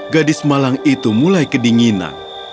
gadis malang itu mulai kedinginan